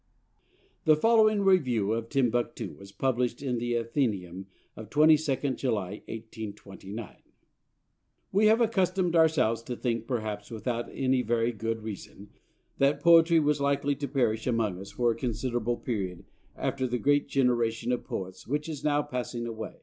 [The following review of 'Timbuctoo' was published in the Athenæum of 22nd July, 1829: 'We have accustomed ourselves to think, perhaps without any very good reason, that poetry was likely to perish among us for a considerable period after the great generation of poets which is now passing away.